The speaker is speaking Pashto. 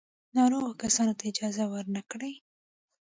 ناروغو کسانو ته اجازه ور نه کړي.